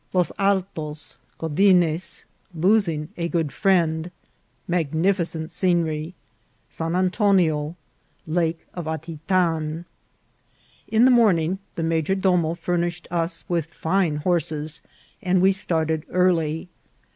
— Los Altos. — Godines. — Losing a good Friend. — Magnificent Scenery. — San Antonio. — Lake of Ati tan. IN the morning the major domo furnished us with fine horses, and we started early.